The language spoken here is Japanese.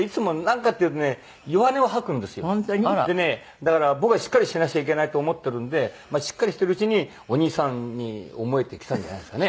だから僕がしっかりしてなくちゃいけないと思ってるんでまあしっかりしてるうちにお兄さんに思えてきたんじゃないですかね。